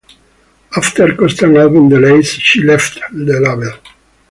After constant album delays, she left the label.